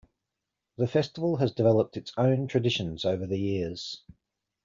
The festival has developed its own traditions over the years.